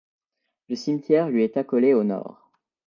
Le cimetière lui est accolé au nord.